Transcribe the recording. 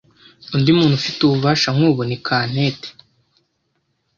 undi muntu ufite ububasha nk’ubu ni kantete